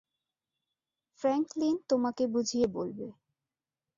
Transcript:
Franklin তোমাকে বুঝিয়ে বলবে।